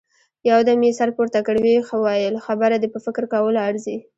يودم يې سر پورته کړ، ويې ويل: خبره دې په فکر کولو ارزي.